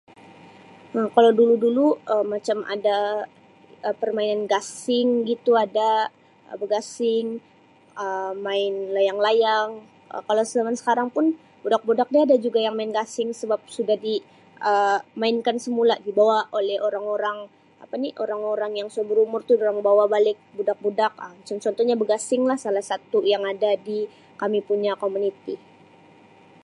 Um kalau dulu-dulu Um macam ada Um permainan gasing gitu ada Um begasing, Um main layang-layang, Um kalau zaman sekarang pun budak-budak dia ada juga yang main gasing sebab sudah di Um mainkan semula dibawa oleh orang-orang apa ni orang-orang yang sudah berumur tu durang bawa balik budak-budak Um macam contohnya begasing lah salah satu yang ada di kami punya komuniti.